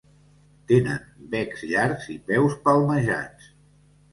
Tenen becs llargs i peus palmejats.